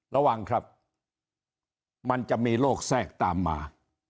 ระวังครับมันจะมีโรคแทรกตามมา